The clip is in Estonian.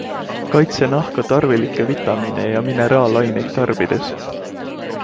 Kaitse nahka tarvilikke vitamiine ja mineraalaineid tarbides.